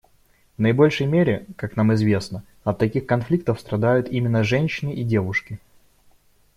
В наибольшей мере, как нам известно, от таких конфликтов страдают именно женщины и девушки.